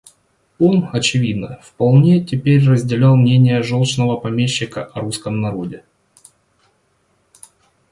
Он, очевидно, вполне теперь разделял мнение желчного помещика о русском народе.